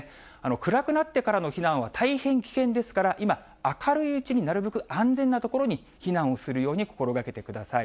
暗くなってからの避難は大変危険ですから、今、明るいうちに、なるべく安全な所に避難をするように心がけてください。